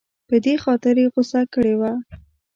په دې خاطر یې غوسه کړې وه.